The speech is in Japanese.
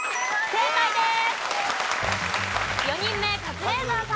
正解です！